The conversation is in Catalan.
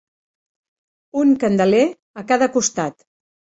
Un candeler a cada costat.